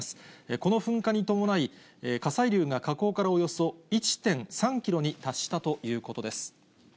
この噴火に伴い、火砕流が火口からおよそ１．３キロに達したということです。